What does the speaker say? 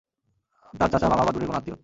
তার চাচা, মামা বা দূরের কোনো আত্মীয়।